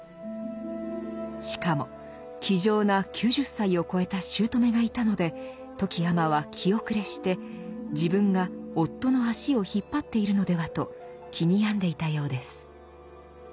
しかも気丈な９０歳を越えた姑がいたので富木尼は気後れして自分が夫の足を引っ張っているのではと気に病んでいたようです。